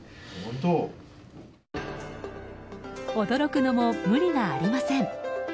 驚くのも無理がありません。